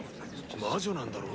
魔女なんだろ？